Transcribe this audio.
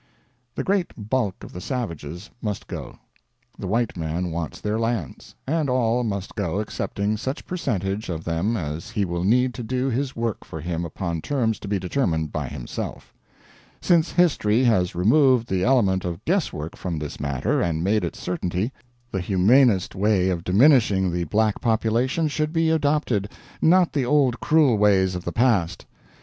The great bulk of the savages must go. The white man wants their lands, and all must go excepting such percentage of them as he will need to do his work for him upon terms to be determined by himself. Since history has removed the element of guesswork from this matter and made it certainty, the humanest way of diminishing the black population should be adopted, not the old cruel ways of the past.